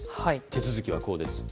手続きはこうです。